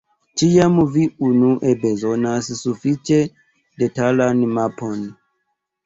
Ĉiam vi unue bezonas sufiĉe detalan mapon.